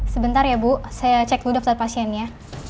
sebentar ya bu saya cek dulu daftar pasiennya